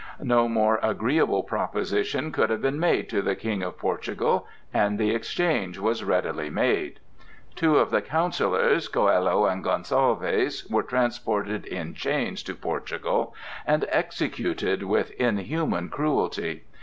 No more agreeable proposition could have been made to the King of Portugal, and the exchange was readily made. Two of the counsellors, Coello and Gonsalvez, were transported in chains to Portugal, and executed with inhuman cruelty.